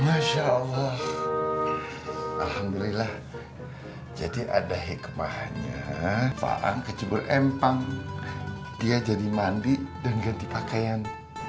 masya allah alhamdulillah jadi ada hikmahannya faang kecebur empang dia jadi mandi dan ganti pakaian